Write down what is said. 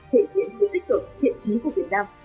thể hiện sự tích cực thiện trí của việt nam